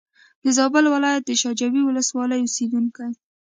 د زابل ولایت د شا جوی ولسوالۍ اوسېدونکی.